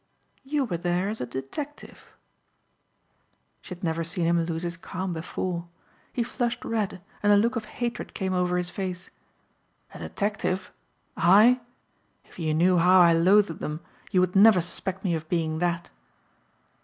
"You were there as a detective." She had never seen him lose his calm before. He flushed red and a look of hatred came over his face. "A detective! I? If you knew how I loathed them you would never suspect me of being that."